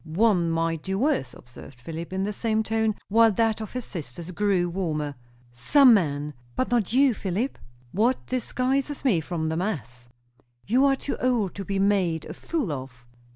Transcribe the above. "One might do worse," observed Philip, in the same tone, while that of his sister grew warmer. "Some men, but not you, Philip?" "What distinguishes me from the mass?" "You are too old to be made a fool of."